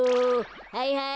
はいはい！